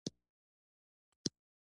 نورو خلکو ورسره چندان علاقه نه درلوده.